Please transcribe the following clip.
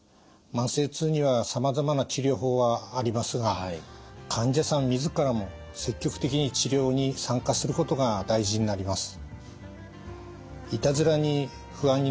慢性痛にはさまざまな治療法はありますが患者さん自らも積極的に治療に参加することが大事になります。